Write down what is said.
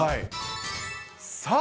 さあ、